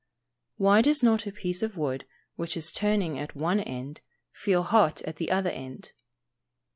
_Why does not a piece of wood which is turning at one end, feel hot at the other end?